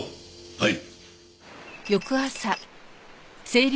はい。